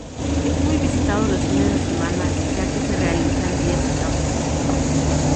Es muy visitado los fines de semana ya que se realizan días de campo.